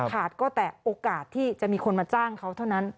ขาดก็แต่โอกาสที่จะมีคนมาจ้างเขาเท่านั้น